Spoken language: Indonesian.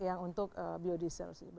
yang untuk biodiesel